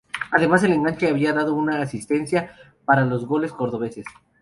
Además el enganche había dado una asistencia para otro de los goles cordobeses.